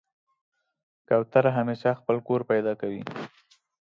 کوتره همیشه خپل کور پیدا کوي.